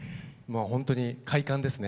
本当に快感ですね